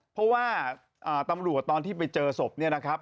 เพราะว่าตำรวจกับตอนที่ไปเจอศพนี่นะครับ